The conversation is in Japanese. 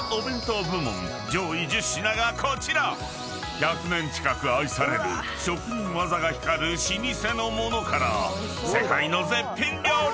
［１００年近く愛される職人技が光る老舗の物から世界の絶品料理！］